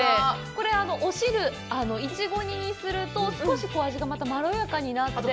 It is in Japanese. これ、お汁、いちご煮にすると、少し味が、またまろやかになって。